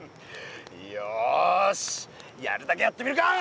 よしやるだけやってみるか！